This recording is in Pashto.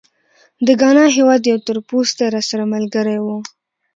د ګانا هېواد یو تورپوستی راسره ملګری و.